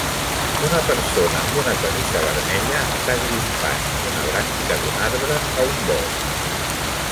Una persona amb una camisa vermella està grimpant una branca d'un arbre a un bosc.